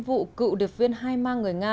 vụ cựu điệp viên hai ma người nga